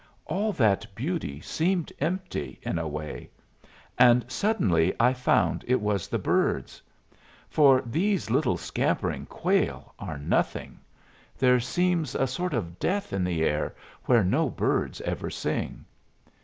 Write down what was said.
All that beauty seemed empty, in a way. And suddenly I found it was the birds. For these little scampering quail are nothing. There seems a sort of death in the air where no birds ever sing."